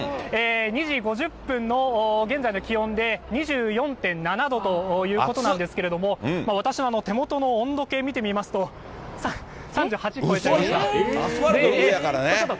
２時５０分の現在の気温で２４．７度ということなんですけれども、私の手元の温度計見てみますと、アスファルトの上やからね。